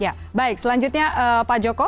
ya baik selanjutnya pak joko